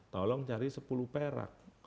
tolong cari sepuluh perak